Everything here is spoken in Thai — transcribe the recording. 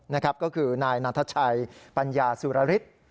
นะครับก็คือนายนัทชัยปัญญาสุรฤทธิ์